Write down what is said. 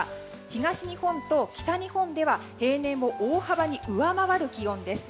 東日本と北日本では平年を大幅に上回る気温です。